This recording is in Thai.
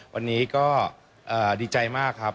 วันนี้ก็ดีใจมากครับ